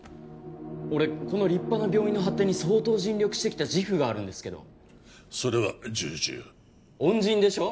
俺この立派な病院の発展に相当尽力してきた自負があるんですけどそれは重々恩人でしょ？